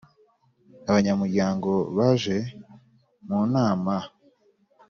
abanyamuryango baje mu nama